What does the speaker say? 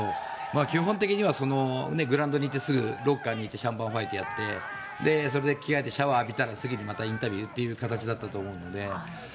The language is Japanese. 基本的にはグラウンドに行ってすぐロッカーに行ってシャンパンファイトやってそれで着替えてシャワーを浴びたら次のインタビューという感じだと思うので。